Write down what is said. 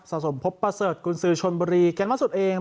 สมพบประเสริฐกุญสือชนบุรีแก๊งล่าสุดเอง